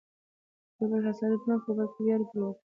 د یو بل حسادت مه کوه، بلکې ویاړ پرې وکړه.